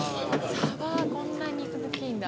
こんな肉づきいいんだ。